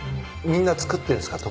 みんな作ってるんですか？